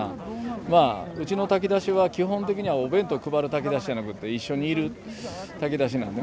まあうちの炊き出しは基本的にはお弁当配る炊き出しじゃなくって一緒にいる炊き出しなんで。